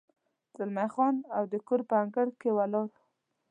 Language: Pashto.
زلمی خان او د کور په انګړ کې ولاړ و.